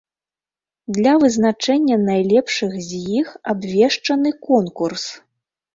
Для вызначэння найлепшых з іх абвешчаны конкурс.